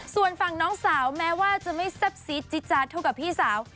ส่วนฝั่งน้องสาวแม้ว่าจะไม่แซ่บซีดจิจาเท่ากับพี่สาว